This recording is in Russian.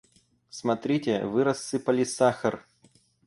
Смотрите, вы рассыпали сахар!